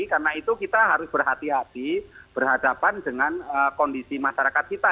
karena itu kita harus berhati hati berhadapan dengan kondisi masyarakat kita